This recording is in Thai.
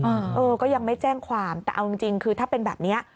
เออก็ยังไม่แจ้งความแต่เอาจริงจริงคือถ้าเป็นแบบเนี้ย